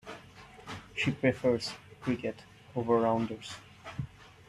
She prefers cricket over rounders.